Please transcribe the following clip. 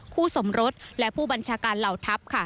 คู่สมรสและผู้บัญชาการเหล่าทัพ